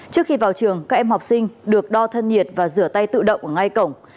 trước khi vào trường các em học sinh được đo thân nhiệt và rửa tay tự động ở ngay cổng